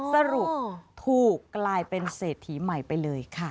สรุปถูกกลายเป็นเศรษฐีใหม่ไปเลยค่ะ